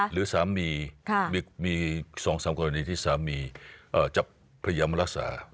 หรือสามีมี๒๓กรณีที่สามีจะพยายามรักษา